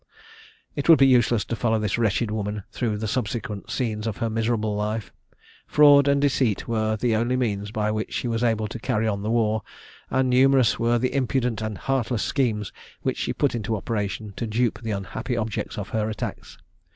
It would be useless to follow this wretched woman through the subsequent scenes of her miserable life. Fraud and deceit were the only means, by which she was able to carry on the war, and numerous were the impudent and heartless schemes which she put into operation to dupe the unhappy objects of her attacks.